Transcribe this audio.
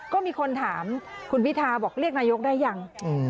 ก็มีคนถามคุณพิทาบอกเรียกนายกได้ยัง